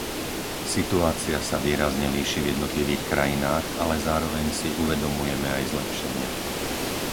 Situácia sa výrazne líši v jednotlivých krajinách, ale zároveň si uvedomujeme aj zlepšenia.